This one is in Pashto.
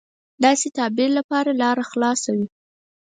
داسې تعبیر لپاره لاره خلاصه وي.